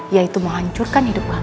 yaitu menghancurkan hidup kamu